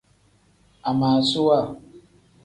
Amaasuwa.